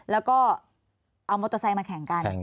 แล้วก็เอามอเตอร์ไซค์มาแข่งกัน